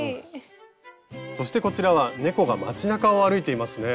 そしてこちらは猫が街なかを歩いていますね。